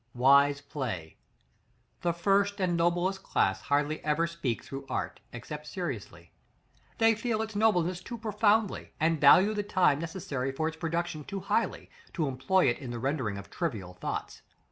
Wise play. The first and noblest class hardly ever speak through art, except seriously; they feel its nobleness too profoundly, and value the time necessary for its production too highly, to employ it in the rendering of trivial thoughts.